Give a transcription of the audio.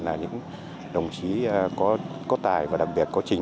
là những đồng chí có tài và đặc biệt có trình